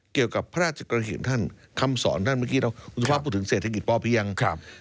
เกี่ยวกับพระราชกริกของท่านคำสอนท่านเมื่อกี้เราพูดถึงเศรษฐกิจปเพียง